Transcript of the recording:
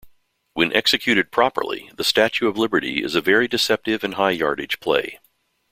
When executed properly, the Statue of Liberty is a very deceptive and high-yardage play.